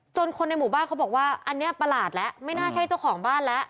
คนในหมู่บ้านเขาบอกว่าอันนี้ประหลาดแล้วไม่น่าใช่เจ้าของบ้านแล้ว